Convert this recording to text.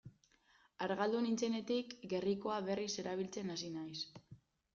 Argaldu nintzenetik gerrikoa berriz erabiltzen hasi naiz.